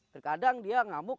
terkadang dia ngamuk